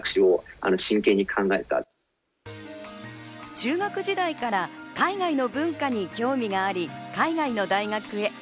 中学時代から海外の文化に興味があり、海外の大学へ。